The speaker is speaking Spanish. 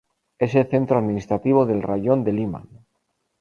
Es el centro administrativo del Raión de Liman.